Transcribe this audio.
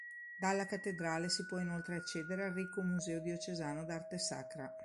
Dalla Cattedrale si può inoltre accedere al ricco "Museo diocesano d'arte sacra".